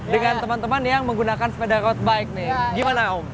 dengan teman teman yang menggunakan sepeda road bike nih gimana om